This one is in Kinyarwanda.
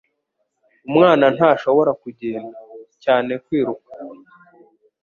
Umwana ntashobora kugenda, cyane kwiruka.